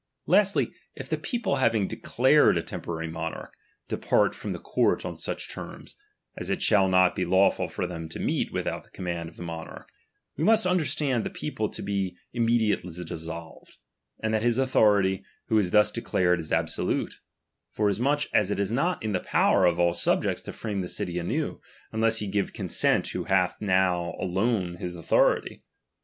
Lastly, if the people having declared a temporary monarch, depart from the court on such terms, as it shall not be lawful for them to meet without the com mand of the monarch, we must understand the people to be immediately dissolved, and that his authority, who is thus declared, is absolute ; foras much as it is not in the power of all the subjects to frame the city anew, unless he give consent who hath now alone the authority.